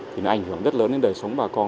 thì nó ảnh hưởng rất lớn đến đời sống bà con